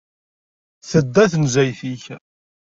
Tedda tanezzayt zik.